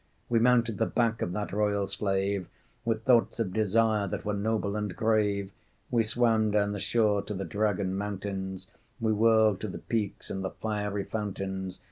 We mounted the back of that royal slave With thoughts of desire that were noble and grave. We swam down the shore to the dragon mountains, We whirled to the peaks and the fiery fountains.